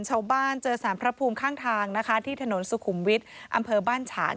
ชาวบ้านเจอสารพระภูมิข้างทางนะคะที่ถนนสุขุมวิทย์อำเภอบ้านฉาน